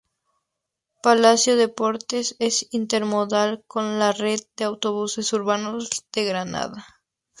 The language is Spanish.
Palacio Deportes es intermodal con la la red de autobuses urbanos de Granada.